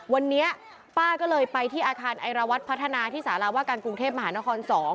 วันนี้ป้าก็เลยไปที่อาคารไอรวัตรพัฒนาที่สาราว่าการกรุงเทพมหานคร๒